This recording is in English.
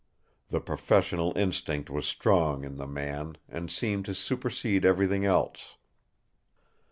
The professional instinct was strong in the man, and seemed to supersede everything else.